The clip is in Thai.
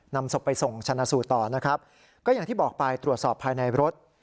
นำศพไปส่งชนะสูตรต่อนะครับก็อย่างที่บอกไปตรวจสอบภายในรถ